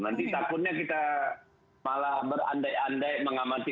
nanti takutnya kita malah berandai andai mengamati